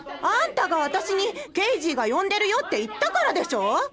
あんたが私に「ケイジーが呼んでるよ」って言ったからでしょ！